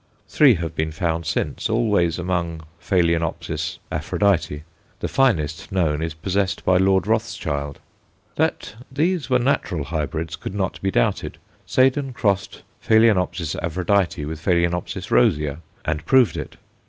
Three have been found since, always among Ph. Aphrodite; the finest known is possessed by Lord Rothschild. That these were natural hybrids could not be doubted; Seden crossed Ph. Aphrodite with Ph. rosea, and proved it.